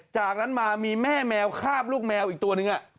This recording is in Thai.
จากนั้นมามีแม่แมวคาบลูกแมวอีกตัวนึง